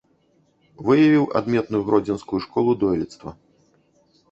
Выявіў адметную гродзенскую школу дойлідства.